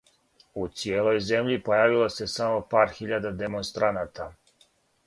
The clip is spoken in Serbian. У цијелој земљи појавило се само пар хиљада демонстраната.